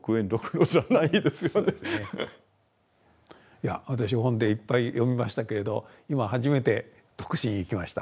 いや私本でいっぱい読みましたけれど今初めて得心いきました。